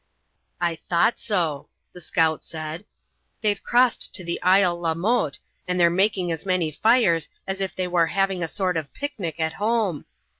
"I thought so," the scout said. "They've crossed to the Isle La Motte and they're making as many fires as if they war having a sort of picnic at home.